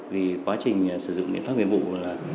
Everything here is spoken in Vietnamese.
vì quá trình sử dụng biến pháp viện vụ là